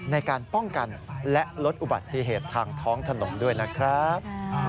ในการป้องกันและลดอุบัติเหตุทางท้องถนนด้วยนะครับ